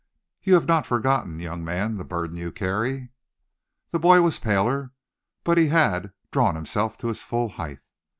You have not forgotten, young man, the burden you carry?" The boy was paler, but he had drawn himself to his full height.